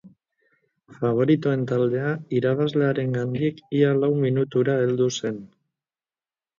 Faboritoen taldea irabazlearengandik ia lau minutura heldu zen.